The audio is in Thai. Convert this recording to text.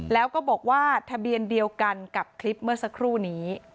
แล้วก็บอกว่าทะเบียนเดียวกันกับคลิปเมื่อสักครู่นี้